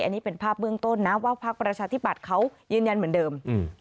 อันนี้เป็นภาพเบื้องต้นนะว่าพักประชาธิบัติเขายืนยันเหมือนเดิม